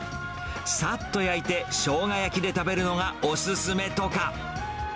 さっと焼いて、しょうが焼きで食べるのがお勧めとか。